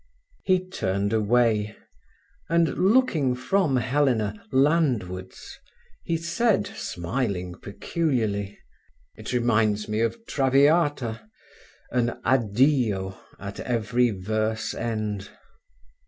He turned away, and, looking from Helena landwards, he said, smiling peculiarly: "It reminds me of Traviata—an 'Addio' at every verse end."